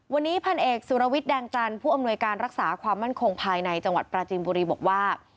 วันนี้พันเอกสุรวิทย์แดงจันทร์ผู้อำนวยการรักษาความมั่นคงภายในจังหวัดปราจีนบุรีบอกว่า